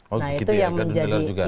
oh begitu ya ke dunia luar juga